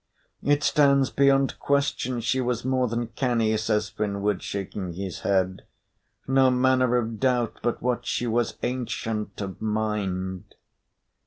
"It stands beyond question she was more than canny," says Finnward, shaking his head. "No manner of doubt but what she was ancient of mind."